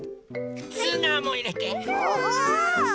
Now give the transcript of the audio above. ツナもいれて。